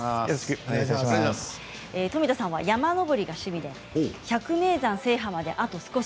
富田さんは山登りが趣味で百名山制覇まであと少し。